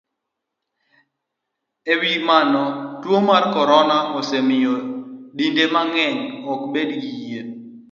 E wi mano, tuo mar corona osemiyo dinde mang'eny ok bed gi yie